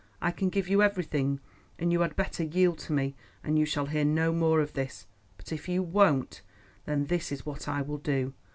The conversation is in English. I can give you everything, and you had better yield to me, and you shall hear no more of this. But if you won't, then this is what I will do.